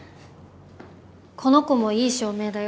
この子もいい照明だよ。